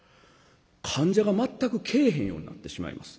患者が全く来えへんようになってしまいます。